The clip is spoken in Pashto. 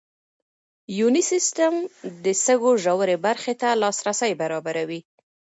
یوني سیسټم د سږو ژورې برخې ته لاسرسی برابروي.